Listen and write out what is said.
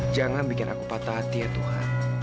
jangan bikin aku patah hati ya tuhan